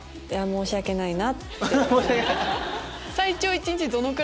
申し訳ないなって。